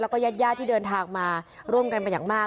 แล้วก็ญาติย่าที่เดินทางมาร่วมกันมาก